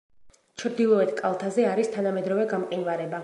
ჩრდილოეთ კალთაზე არის თანამედროვე გამყინვარება.